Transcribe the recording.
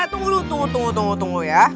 eh tunggu dulu tunggu tunggu tunggu ya